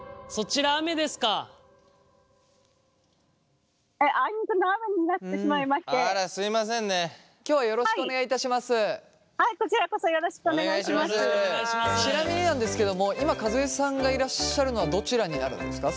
ちなみになんですけども今和江さんがいらっしゃるのはどちらになるんですか？